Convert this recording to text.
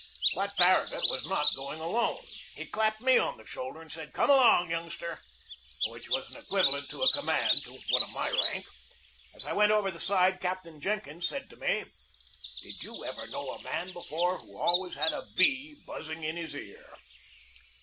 But Farragut was not going alone. He clapped me on the shoulder and said: "Come along, youngster!" which was equivalent to a command to one of my rank. As I went over the side Captain Jenkins said to me: "Did you ever know a man before who always had a bee buzzing in his ear?"